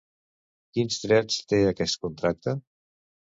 Quins drets té aquest contracte?